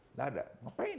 tidak ada ngapain